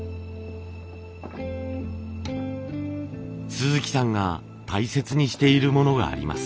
鈴木さんが大切にしているものがあります。